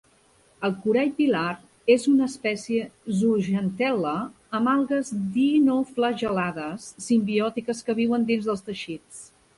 El corall pilar és una espècie zooxantel·la amb algues dinoflagel·lades simbiòtiques que viuen dins dels teixits.